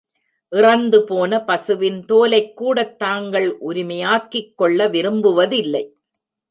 இறந்துபோன பசுவின் தோலைக்கூடத் தாங்கள் உரிமையாக்கிக் கொள்ள விரும்புவதில்லை.